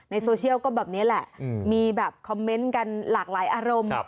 โซเชียลก็แบบนี้แหละมีแบบคอมเมนต์กันหลากหลายอารมณ์